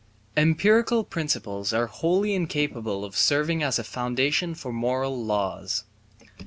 Empirical principles are wholly incapable of serving as a foundation for moral laws.